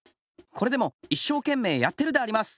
これでもいっしょうけんめいやってるであります。